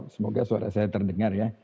semoga suara saya terdengar ya